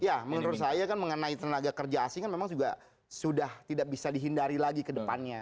ya menurut saya kan mengenai tenaga kerja asing kan memang juga sudah tidak bisa dihindari lagi ke depannya